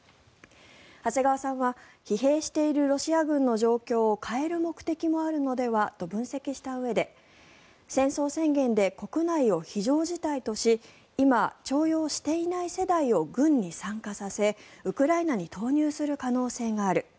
長谷川さんは疲弊しているロシア軍の状況を変える目的もあるのではと分析したうえで戦争宣言で国内を非常事態とし今、徴用していない世代を軍に参加させウクライナに投入する可能性がある。